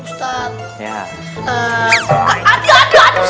sebenarnya gini ustadz